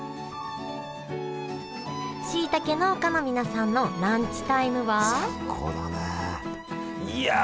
しいたけ農家の皆さんのランチタイムはいや！